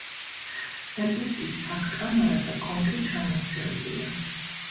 ეკლესიის თაღ-კამარა და კონქი ჩამოქცეულია.